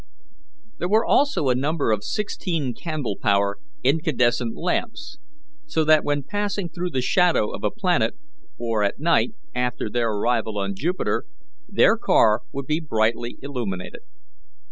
There were also a number of sixteen candle power incandescent lamps, so that when passing through the shadow of a planet, or at night after their arrival on Jupiter, their car would be brightly illuminated.